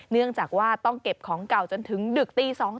เนื่องจากว่าต้องเก็บของเก่าจนถึงดึกตี๒